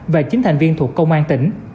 và chín thành viên thuộc công an tỉnh